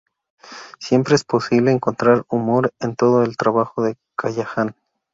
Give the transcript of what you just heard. Siempre es posible encontrar humor en todo el trabajo de Callahan.